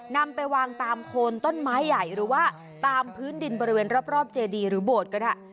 นำไปวางตามโคนต้นไม้ใหญ่หรือว่าตามพื้นดินบริเวณรอบเจดีหรือโบสถ์ก็ได้